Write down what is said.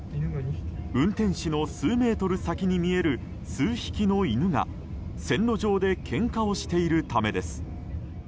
運転士の数メートル先に見える数匹の犬が線路上でけんかをしているためです。